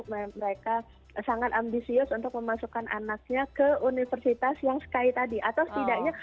yang mereka sangat ambisius untuk masukkan anaknya ke universitas yang kit di atau setidaknya